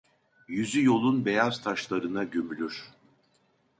Yüzü yolun beyaz taşlarına gömülür.